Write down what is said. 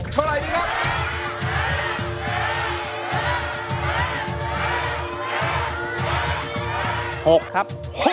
เท่าไรครับ